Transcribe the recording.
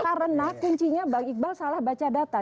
karena kuncinya bang iqbal salah baca data